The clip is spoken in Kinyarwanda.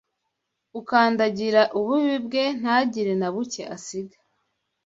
Ukandagira ububi bwe ntagire na buke asiga